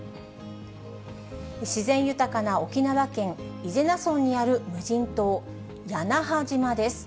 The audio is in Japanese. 自然豊かな沖縄県伊是名村にある無人島、屋那覇島です。